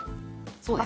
そうです。